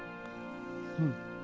うん。